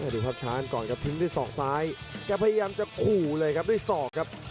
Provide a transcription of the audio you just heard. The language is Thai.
ดูภาพช้ากันก่อนครับทิ้งด้วยศอกซ้ายแกพยายามจะขู่เลยครับด้วยศอกครับ